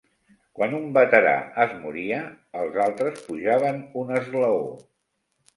Quan un veterà es moria, els altres pujaven un esglaó.